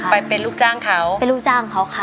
ไปเป็นลูกจ้างเขา